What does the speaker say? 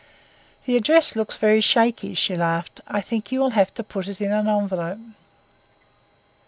"The address looks very shaky," she laughed. "I think you will have to put it in an envelope."